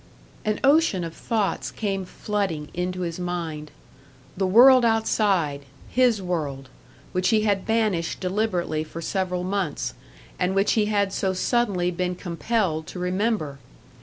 An ocean of thoughts came flooding into his mind: the world outside, his world, which he had banished deliberately for several months, and which he had so suddenly been compelled to remember!